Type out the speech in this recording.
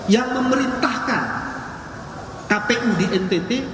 yang memerintahkan kpu di ntt